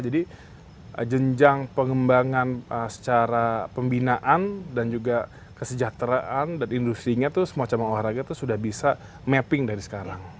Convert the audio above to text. jadi jenjang pengembangan secara pembinaan dan juga kesejahteraan dan industri nya itu semua cabang olahraga itu sudah bisa mapping dari sekarang